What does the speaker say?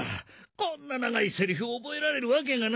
こんな長いセリフ覚えられるわけがない。